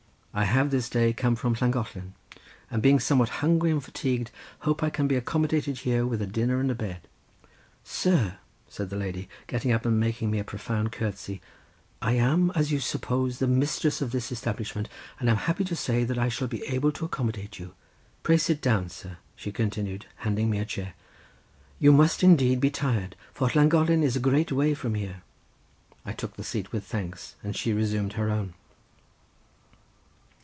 I have this day come from Llangollen, and being somewhat hungry and fatigued hope I can be accommodated, here with a dinner and a bed." "Sir!" said the lady, getting up and making me a profound curtsey, "I am as you suppose the mistress of this establishment, and am happy to say that I shall be able to accommodate you—pray sit down, sir;" she, continued handing me a chair, "you must indeed be tired, for Llangollen is a great way from here." I took the seat with thanks, and she resumed her own.